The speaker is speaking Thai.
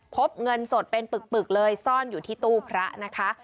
พบเงินสดเป็นปึกเลยซ่อนอยู่ที่ตู้พระนะคะ